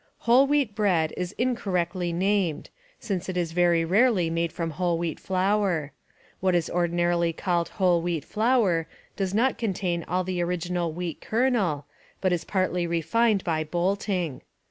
Whole Wheat Bread is incorrectly named, since it is very rarely made from whole wheat flour. What is ordinarily called whole wheat flour does not contain all the original wheat kernel, but is partly refined by bolting.